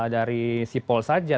dari sipol saja